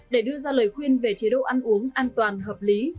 để đưa ra lời khuyên về chế độ ăn uống an toàn hợp lý